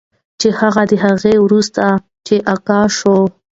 چې هغه د هغې وروسته چې آګاه شو